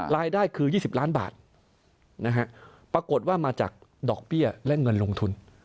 รายได้คือ๒๐ล้านบาทนะฮะปรากฏว่ามาจากดอกเบี้ยและเงินลงทุน